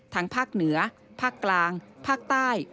ภาคเหนือภาคกลางภาคใต้